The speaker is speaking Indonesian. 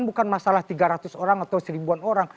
bukan masalah tiga ratus orang atau seribuan orang